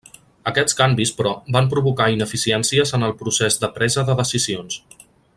Aquests canvis, però, van provocar ineficiències en el procés de presa de decisions.